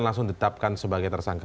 langsung ditetapkan sebagai tersangka